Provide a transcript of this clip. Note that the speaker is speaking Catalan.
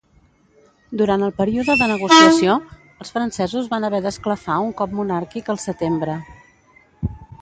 Durant el període de negociació els francesos van haver d'esclafar un cop monàrquic al setembre.